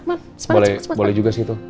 semangat cepet cepet boleh juga sih itu